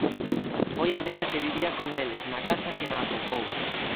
Foi a neta que vivía con eles na casa quen a atopou.